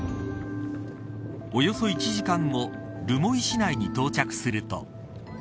およそ１時間後留萌市内に到着すると。